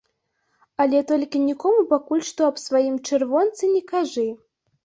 Але толькі нікому пакуль што аб сваім чырвонцы не кажы.